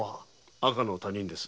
赤の他人です。